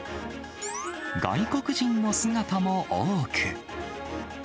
外国人の姿も多く。